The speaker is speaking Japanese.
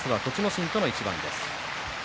心との一番です。